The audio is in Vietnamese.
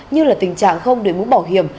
như là tình trạng không đối mũ bảo hiểm